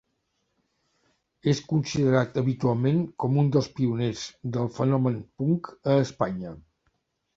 És considerat habitualment com un dels pioners del fenomen punk a Espanya.